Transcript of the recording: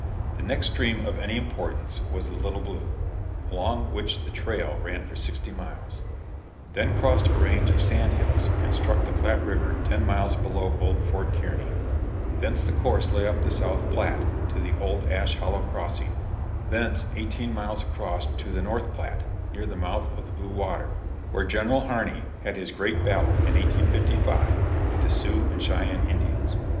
The next stream of any importance was the Little Blue, along which the trail ran for sixty miles; then crossed a range of sand hills and struck the Platte river ten miles below Old Fort Kearney; thence the course lay up the South Platte to the old Ash Hollow Crossing, thence eighteen miles across to the North Platte near the mouth of the Blue Water, where General Harney had his great battle in 1855 with the Sioux and Cheyenne Indians.